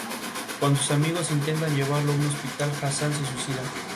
Presenta nave única con capillas entre los contrafuertes.